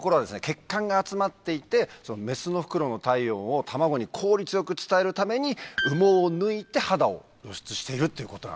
血管が集まっていてメスのフクロウの体温を卵に効率よく伝えるために羽毛を抜いて肌を露出しているっていうことなんですよ。